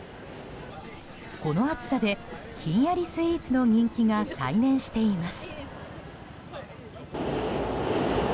この暑さで、ひんやりスイーツの人気が再燃しています。